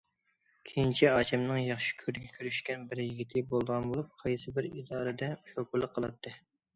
كېيىنچە ئاچامنىڭ ياخشى كۆرۈشكەن بىر يىگىتى بولىدىغان بولۇپ قايسىبىر ئىدارىدە شوپۇرلۇق قىلاتتى.